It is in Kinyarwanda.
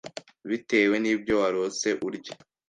bitewe n’ibyo warose urya.